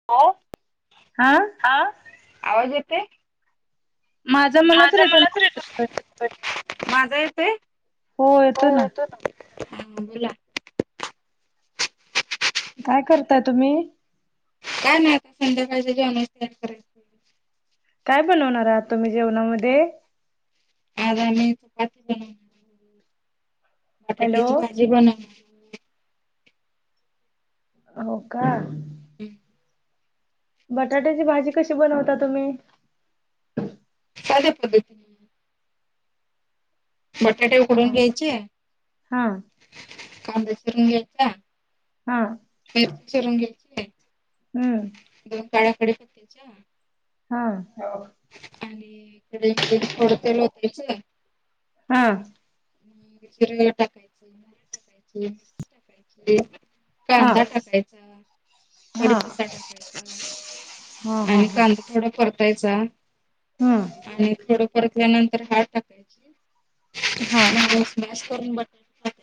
[unintelligible] हां. हा आवाज येते मलाच माझा रिटर्न मलाचं रिपीट [unintelligible] माझा येतोय. हो येतोय ना. हा बोला. काय करताय तुम्ही? काय नाही आता संध्याकाळच्या जेवन तयारी करायची. [inaudible] काय बनवणार आहात तुम्ही जेवणामध्ये? आज आम्ही चपाती [inaudible] हॅलो बटाट्याची भाजी बनव हो का. हम्म. बटाट्याची भाजी कशी बनवता तुम्ही? साध्या पद्धत बटाटे उकडून हा घ्यायचे, हा कांदा चिरून घ्यायचा हा. मिर्ची चिरून घ्यायची, हम्म दोन पाळ्या कढीपत्त्याच्या हां. आणि कढईमध्ये थोडं तेल ओतायचं हा. [inaudible] हा कांदा टाकायचा, हा कडीपत्ता टाकायचा हा हा आणि कांदे थोडं परतायचा. हं. आणि थोड परतल्यानंतर भात टाकायची हा हा मग स्मॅश करून बटाटे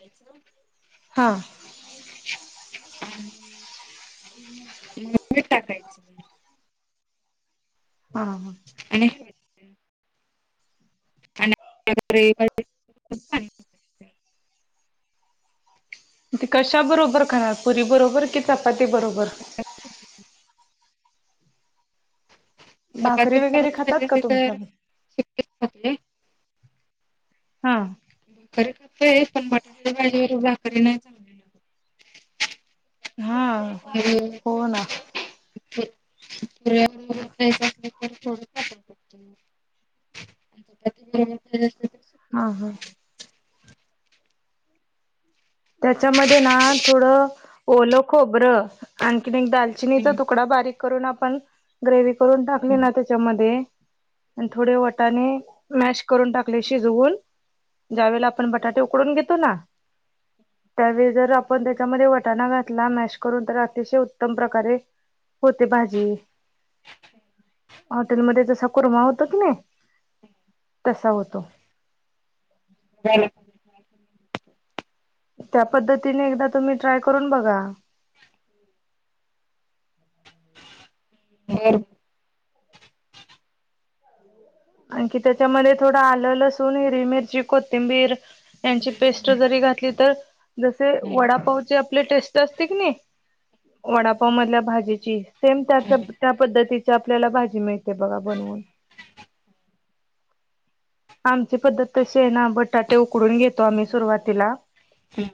[inaudible] हां. आणि [inaudible] हा हा. आणि आणि [inaudible] [inaudible] ते कशा बरोबर खाणार, पुरी बरोबर की चपाती बरोबर? भाकरी चपातीे वगैरे बरोबर खायची खातात का असली तुमच्याकडे तर [unintelligible] हा. [unintelligible] पण बटाट्याच्या भाजी वर भाकरी नाही चांगलं हां. [unintelligible] [inaudible] [inaudible] हा हा. त्याच्यामध्ये ना थोडं ओलं खोबरं आणि एक दाल चिनीचा तुकडा बारीक करून आपण ग्रेव्ही करून टाकली ना त्याच्यामध्ये आणि थोडे वटाने मॅश करून टाकले शिजवून ज्या वेळेला आपण बटाटे उकडून घेतो ना त्यावेळी जर आपण त्याच्यामध्ये वटाणा घातला मॅश करून, तर अतिशय उत्तम प्रकारे होते भाजी. [inaudible] हॉटेलमध्ये जसा कुरमा होतो की नाही, तसा होतो. [inaudible] त्या पद्धतीने एकदा तुम्ही ट्राय करून बघा. [inaudible] बर. आणखी त्याच्यामध्ये थोडं आलं लसूण हिरवी मिर्ची कोथिंबीर. यांची पेस्ट जरी घातली तर, जसे वडापावचे तली टेस्ट असते की नाही, वडापाव मधल्या भाजीची. सेम त्याच्या त्या पद्धतीत ती आपल्याला भाजी मिळते बघा बनवून. आमची पद्धत तशी आहे ना, बटाटे उकडून घेतो आम्ही सुरुवातीला. हम्म.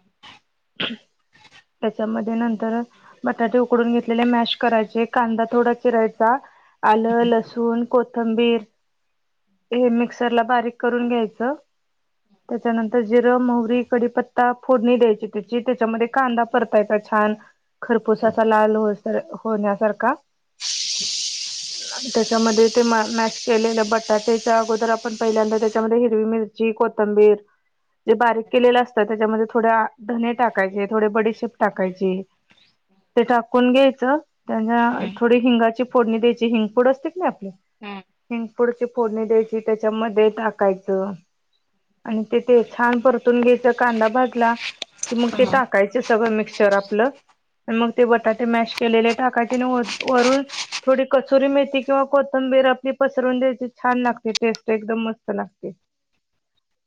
त्याच्यामध्ये नंतर बटाटे उकडून घेतलेले मॅश करायचे, कांदा तेवढा चिरायचा. आलं, लसूण, कोथंबीर. हे मिक्सरला बारीक करून घ्यायचं. त्याच्यानंतर जिरं, मोहरी, कढीपत्ता फोडणी द्यायची त्याची. त्याच्यामध्ये कांदा परतायचं छान खरपूस असा लाल होणं होण्यासारखा आणि त्याच्यामध्ये ते मा मॅश केलेलं बटाट्याच्या अगोदर आपण पहिल्यांदा त्याच्यामध्ये हिरवी मिर ची कोथंबीर. जे बारीक केलेलं असतं त्याच्यामध्ये थोड्या धने टाकायचे, थोडे बडीशेप टाकायची. ते टाकून घ्यायचं, त्यांना थोडी हिंगाची फोडणी द्यायची हिंग पूड असते की नई आपली. हम्म. हिंगपुडची फोडणी द्यायची, त्याच्यामध्ये टाकायचं. आणि ते ते छान परतून घ्यायच कांदा भाजला. तर मग ते टाकायचे सगळं मिक्सचर आपलं. मग ते बटाटे मॅश केलेले टाकायचे ने व वरून. थोडी कसुरी मेथी किंवा कोथंबीर आपली पसरवून द्यायची छान लागते टेस्ट एकदम मस्त लागते. [inaudible]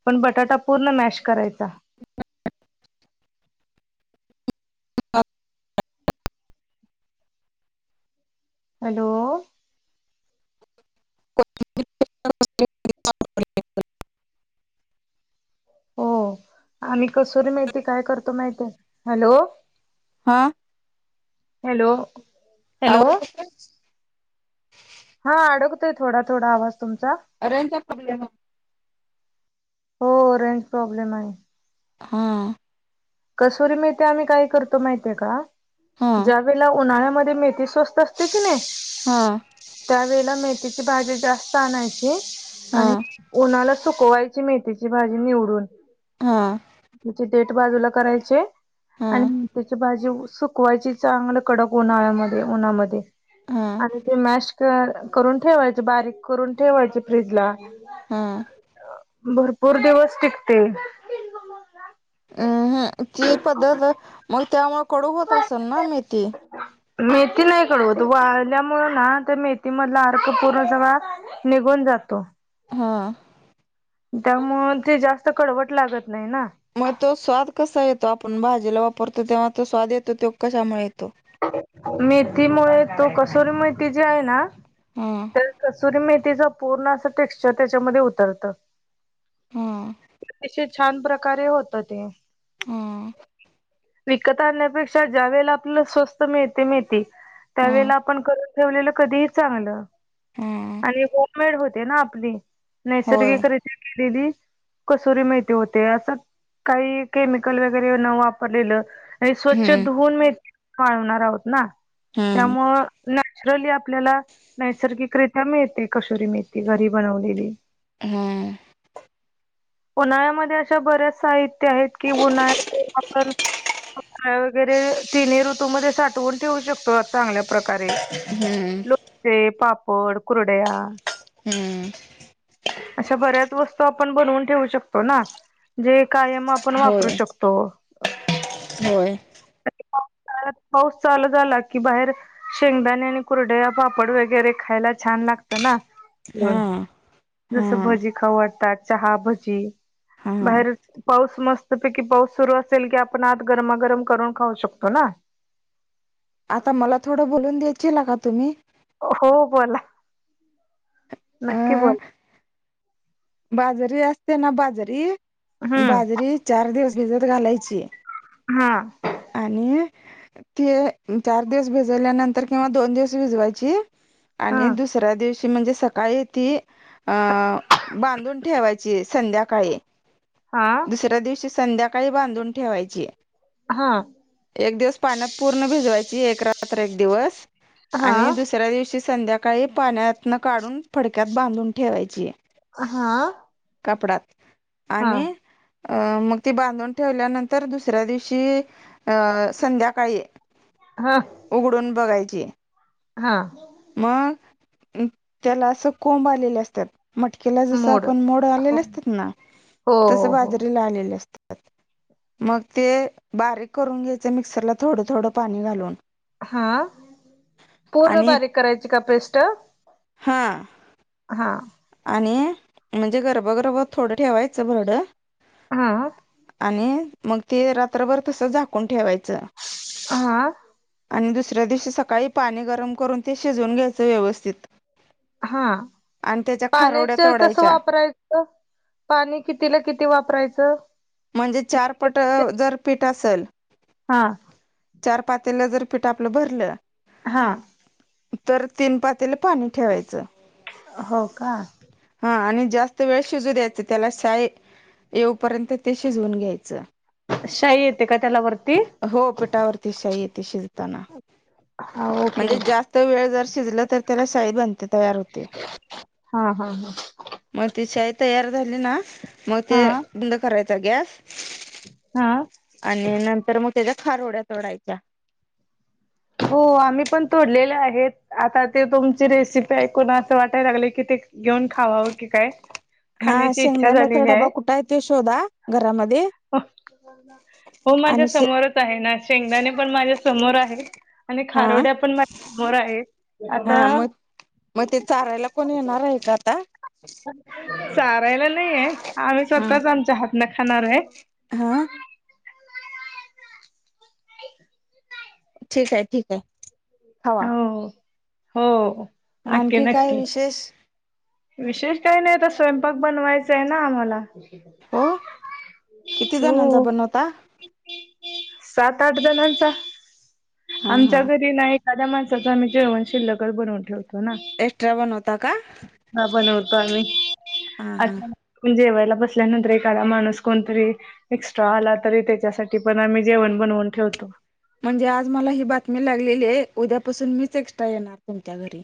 पण बटाटा पूर्ण मॅश करायचा. हॅलो. [inaudible] [unintelligible] हो, आम्ही कसुरी मेथी काय करतो माहितीये? हॅलो. हा. हॅलो. हॅलो आवाज येतोय? हा अडकतोय, थोडा थोडा आवाज तुमचा. रेंजचा प्रॉब्लेम आहे. हो रेंज प्रॉब्लेम आहे. हा. कसुरी मेथी आम्ही काय करतो माहितीय का, जास ज्यावेळला उन्हाळ्यामध्ये मेथी स्वस्त असते की नाही हा. त्या वेळला मेथीची भाजी जास्त आणायची हा आणि उन्हाला सुकवायची मेथीची भाजी निवडून. हां. त्याची डेट बाजूला करायचीये हा आणि त्याची भाजी सु कवायचेच चांगलं कडक उन्हाळ्यामध्ये, उन्हामध्ये हा आणि ते मॅश करून ठेवायच, बारीक करून ठेवायचे फ्रीजला. हां. भरपूर दिवस टिकते. [unintelligible] अम्म हम ती पद्धत मग त्यामुळे कडू होत असेल ना मेथी. मेथी नाही कडवत वाळल्यामुळे ना, त्या मेथी मधला अर्क पूर्ण सगळा. निघून जातो. हां. त्यामुळे ते जास्त कडवट लागत नाही ना. मग तो स्वाद कसा येतो आपण, भाजीला वापरतो तेव्हा तो स्वाद येतो तो कशामुळे येतो. ‌ मेथीमुळे तो कस्तुरी, मेथी जी आहे ना. हम्म. कसुरी मेथीच पूर्ण असं टेक्स्चर, तेच्यामध्ये उतरतं. हा अतिशय छान प्रकारे होतं ते. हा. विकत आणण्यापेक्षा ज्या वेळेला, आपला स्वस्त मिळते मेथी हा त्यावेेळेला आपण कर ठेवलेलं कधीही चांगलं, हा आणि होम मेड होते ना आपली. होय नैसर्गिकरीत्या केलेली. कस्तुरी मेथी माहिती होते असंच, काही केमिकल वगैरे न वापरलेलं. ते आणि स्वच्छ हम्म धुवून मेथी, वाळणार आहोत ना हम्म त्यामुळं. नॅचरली आपल्याला नैसर्गिकरित्या मिळते, कस्तुरी मेथी घरी बनवलेली. हां. उन्हाळ्यामध्ये अशा बऱ्याच साहित्य. [unintelligible] तिन्ही ऋतू. तू मध्ये साठवून ठेवू शकतो, चांगल्या प्रकारे. हम्म ते पापड कुरड्या. हम्म. अशा बऱ्याच वस्तू आपण बनवून ठेवू शकतो, ना जे कायम आपण होय वापरू शकतो. होय. [inaudible] पाऊस चालू झाला की बाहेर. शेंगदाणे आणि कुरडया, पापड वगैरे खायला छान लागत ना. ब हा हा जस भजी खाऊ वाटतात, चहा भजी हा बाहेरच. पाऊस मस्त पैकी पाऊस सुरू असेल की, आपण आत गरमागरम करून खाऊ शकतो ना. आता मला थोडं, बोलून देचीला का तुम्ही. हो बोला, नक्की अ बोला. बाजरी असते ना बाजरी हम्म बाजरी, चार दिवस भिजत घालायची. हां. आणि ते चार दिवस भिजल्यानंतर, किंवा दोन दिवस भिजवायची. हा आणि दुसऱ्या दिवशी म्हणजे सकाळी ती अं बांधून ठेवायची संध्याकाळी. हां. दुसऱ्या दिवशी संध्याकाळी बांधून ठेवायची. हां. एक दिवस पाण्यात पूर्ण भिजवायची, एक रात्र एक दिवस. हा आणि दुसऱ्या दिवशी संध्याकाळी, पाण्यातन काढून फडक्यात बांधून ठेवायची. हा. कापडात हा आणि, अं मग ती बांधून ठेवल्यानंतर दुसऱ्या दिवशी. संध्याकाळी. हां. उघडून बघायची. हा. मग त्याला अस कोंब आलेल असत्यात, मटकीला जस आपण मोड. खाल्लेल हो असतात ना हो तस हो हो बाजरीला आलेले असतात. मग ते बारीक करून घ्यायचे, मिक्सरला थोडं थोडं पाणी घालून. हां.. पूर्ण बारीक करायची का पेस्ट. हां. हा. आणि म्हणजे गर्भ गर्भ थोडं ठेवायचं भरड हा. आणि मग ते रात्रभर तसंच झाकून ठेवायचं. हा. आणि दुसऱ्या दिवशी सकाळी पाणी गरम करून ते शिजवून घ्यायचं व्यवस्थित. हा आणि त्याच्या खारोड्या पाण्याचं कसं तोडायच्या वापरायचं हो. पाणी कितीला, किती वापरायचं. म्हणजे चार पट जर पीठ असेल हा. चार पातेल जर पीठ आपलं भरलं हा. तर तीन पातील पाणी ठेवायचं. हो का. हा आणि जास्त वेळ शिजू द्यायचं त्याला शाय येऊपर्यंत. ते शिजवून घ्यायचं शाई येते का त्याला वरती हो. पिटावरती शाही येते शिजताना. हा ओके म्हणजे ओके जास्त वेळ जर शिजलं, तर त्याला शाईद बनते तयार होते‌. हा हा हा. मग ती शाई तयार झाली ना मग ते हा बंद करायचा गॅस. हा आणि नंतर मग त्याच्यात खारोड्या जोडायच्या. हो आम्ही पण तोडलेले आहेत. आता ते तुमची रेसिपी ऐकून असं वाटायला लागले की ते घेऊन खावावं की काय. हा खाण्याची इच्छा शेंगदाण्याचा झालेली डबा कुठे आहे ते शोधा घरामध्ये. हो माझ्या आणि शे- समोर. च आहे ना शेंगदाणे पण माझ्या समोर आहेत आणि हा खारोड्या पण माझ्या समोर आहेत हा आता मग मग ते चारायला कोण येणार आहे का आता? चारायला नाहीये आम्ही स्वतःच आमच्या हात नं खाणार आहे. ह [unintelligible] ठीक आहे ठीक आहे. खावा हो हो हो. नक्की आणखी काय नक्की विशेष? विशेष काही नाही तस स्वयंपाक बनवायचा आहे ना आम्हाला. हो [unintelligible] किती जणांचा सु बनवता सात आठ जणांचा हा आमच्या हा घरी नाही. एखाद्या माणसाचं आम्ही जेवण शिल्लकच बनवून ठेवतो ना. एक्स्ट्रा बनवता का? हा बनवतो आम्ही हा आ हा पण जेवायला बसल्यानंतर एखादा माणूस कोणतरी एक्स्ट्रा आला तरी त्याच्यासाठी पण आम्ही जेवण बनवून ठेवतो. म्हणजे आज मला ही बातमी लागलेली आहे उद्यापासून मीच एक्स्ट्रा येणार तुमच्या घरी.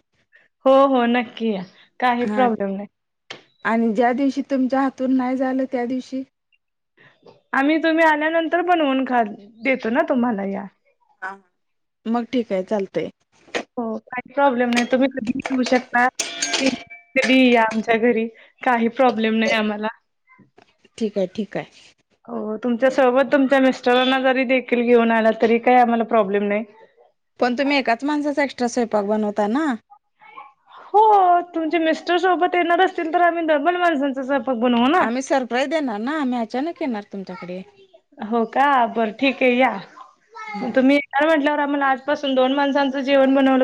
हो हो नक्की या, काही हा प्रॉब्लेम नाही. आणि ज्या दिवशी तुमच्या हातून नाही झालं त्या दिवशी? आम्ही तुम्ही आल्यानंतर बनवून खात देतो ना तुम्हाला या. हा मग ठीक आहे चालतंय. हो हो काही प्रॉब्लेम नाही तुम्ही कधी घेऊ [unintelligible] शकता. कधीही या आमच्या घरी काही प्रॉब्लेम नाही आम्हाला. ठीक आहे ठीक आहे. हो तुमच्यासोबत तुमच्या मिस्टरांना जरी देखील घेऊन आला तरी काही आम्हाला प्रॉब्लेम नाही. पण तुम्ही एकाच माणसाचा एक्स्ट्रा स्वयंपाक बनवताय ना? हो तुमचे मिस्टर सोबत येणार असतील, तर आम्ही डबल माणसांचा स्वयपा आम्ही सरप्राईज देणार ना, आम्ही अचानक येणार तुमच्याकडे. हो का बर ठीक आहे या. मग हा तुम्ही तर म्हटल्यावर आम्हाला आज पासून दोन माणसांचं जेवण बनवलं